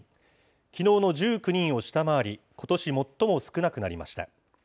きのうの１９人を下回り、ことし最も少なくなりました。